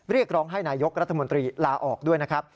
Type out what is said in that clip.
เรียกร้องให้นายกรัฐมนตรีลาออกด้วยนะครับ